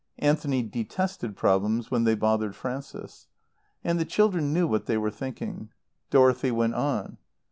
Anthony detested problems when they bothered Frances. And the children knew what they were thinking. Dorothy went on.